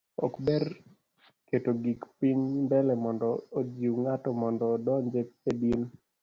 ok ber keto gik piny mbele mondo ojiu ng'ato mondo odonj e din